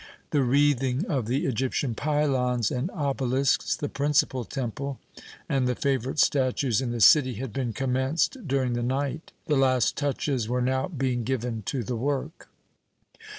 The wreathing of the Egyptian pylons and obelisks, the principal temple, and the favourite statues in the city had been commenced during the night. The last touches were now being given to the work.